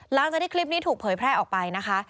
หลังจากที่คลิปนี้ถูกเผยแพร่ออกไปนะคะ